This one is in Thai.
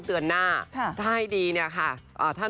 เพื่อนมักดักอังกษ์